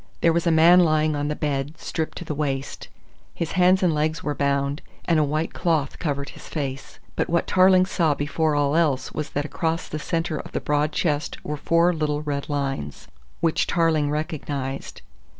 There was a man lying on the bed, stripped to the waist. His hands and his legs were bound and a white cloth covered his face. But what Tarling saw before all else was that across the centre of the broad chest were four little red lines, which Tarling recognised.